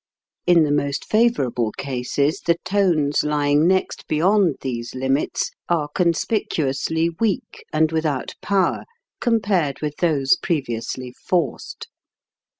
In the most favorable cases the tones lying next beyond these limits are conspicuously weak and without power compared with those previously forced.